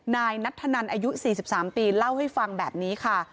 นายนัตทนรอายุสี่สี่สามปีเล่าให้ฟังแบบนี้ค่ะ